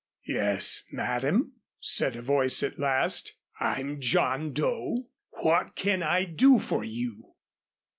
"Yes, madam," said a voice at last. "I'm John Doe what can I do for you?"